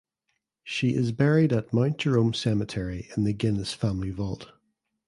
She is buried at Mount Jerome Cemetery in the Guinness family vault.